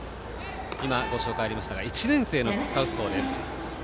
今、ご紹介ありましたが１年生のサウスポーです。